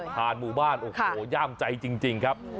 หมู่บ้านโอ้โหย่ามใจจริงครับ